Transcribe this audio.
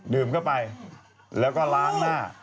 ดื่มเข้าไปแล้วก็ล้างหน้า